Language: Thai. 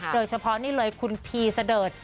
โดยเฉพาะนี่เลยคุณพีเสดิร์ด